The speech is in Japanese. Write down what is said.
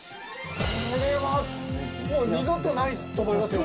これはもう二度とないと思いますよ。